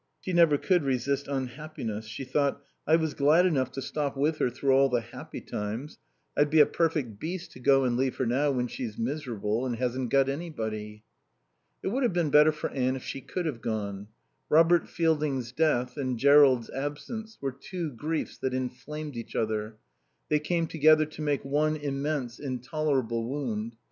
She never could resist unhappiness. She thought: "I was glad enough to stop with her through all the happy times. I'd be a perfect beast to go and leave her now when she's miserable and hasn't got anybody." It would have been better for Anne if she could have gone. Robert Fielding's death and Jerrold's absence were two griefs that inflamed each other; they came together to make one immense, intolerable wound.